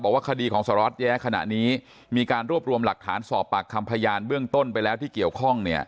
ว่าคดีของสารวัตรแย้ขณะนี้มีการรวบรวมหลักฐานสอบปากคำพยานเบื้องต้นไปแล้วที่เกี่ยวข้อง